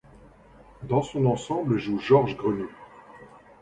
Dans son ensemble joue Georges Grenu.